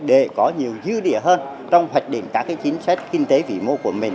để có nhiều dư địa hơn trong hoạch định các chính sách kinh tế vĩ mô của mình